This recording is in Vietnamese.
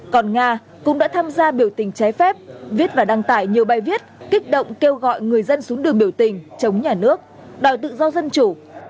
còn nga cũng đã tham gia biểu tình trái phép viết và đăng tải nhiều bài viết kích động kêu gọi người dân xuống đường biểu tình chống nhà nước đòi tự do dân chủ